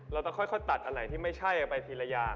เราต้องค่อยตัดอะไรที่ไม่ใช่ออกไปทีละอย่าง